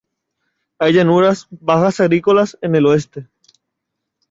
Hay llanuras bajas agrícolas en el oeste.